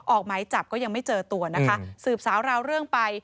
ออกไม้จับก็ยังไม่เจอตัวสื่อสาวราวเรื่องไป